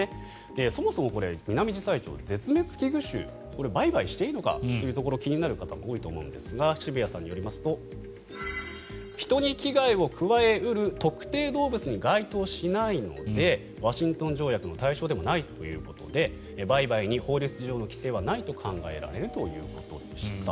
そもそも、ミナミジサイチョウ絶滅危惧種で売買していいのか気になる方も多いと思うんですが渋谷さんによりますと人に危害を加え得る特定動物に該当しないのでワシントン条約の対象でもないということで売買に法律上の規制はないと考えられるということでした。